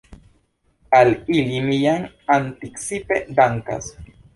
Al ili mi jam anticipe dankas.